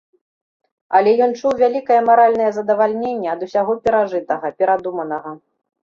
Але ён чуў вялікае маральнае задаваленне ад усяго перажытага, перадуманага.